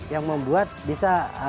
yang membuat bisa